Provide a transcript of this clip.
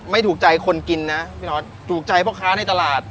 ไม่ถูกใจคนกินนะพี่นอทถูกใจพ่อค้าในตลาด